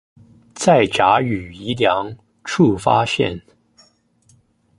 在甲與乙兩處發現